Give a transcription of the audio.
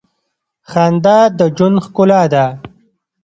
• خندا د ژوند ښکلا ده.